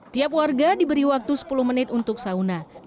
tiap warga diberi waktu sepuluh menit untuk sauna